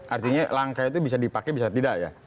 artinya langkah itu bisa dipakai bisa tidak ya